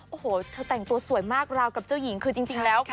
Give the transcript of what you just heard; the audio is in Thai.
โอ้โหเธอแต่งตัวสวยมากราวกับเจ้าหญิงคือจริงแล้ว